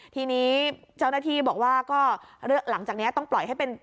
ทีนี้เจ้าหน้าที่บอกว่าก็หลังจากนี้ต้องปล่อยให้เป็น